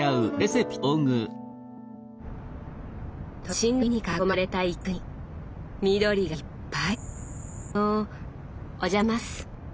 都心のビルに囲まれた一角に緑がいっぱい。